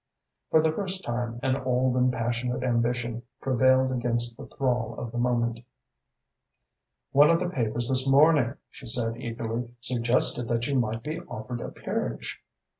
For the first time, an old and passionate ambition prevailed against the thrall of the moment. "One of the papers this morning," she said eagerly, "suggested that you might be offered a peerage."